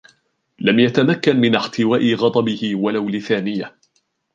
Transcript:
لم يتمكن من احتواء غضبه و لو لثانية.